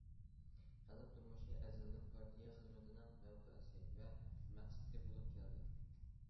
خەلق تۇرمۇشى ئەزەلدىن پارتىيە خىزمىتىنىڭ مەۋقەسى ۋە مەقسىتى بولۇپ كەلدى.